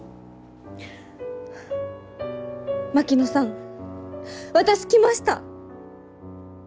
槙野さん私来ました！